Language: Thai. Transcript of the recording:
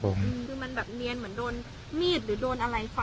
คือมันแบบเนียนเหมือนโดนมีดหรือโดนอะไรฟัน